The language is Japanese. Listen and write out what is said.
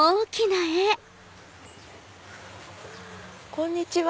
こんにちは。